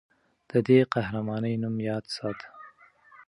د دې قهرمانې نوم یاد ساته.